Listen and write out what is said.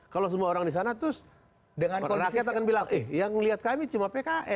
kalau semua orang disana terus rakyat akan bilang eh yang ngeliat kami cuma pks